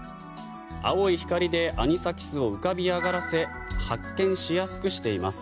青い光でアニサキスを浮かび上がらせ発見しやすくしています。